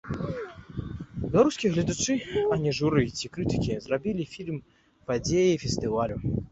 Беларускія гледачы, а не журы ці крытыкі, зрабілі фільм падзеяй фестывалю.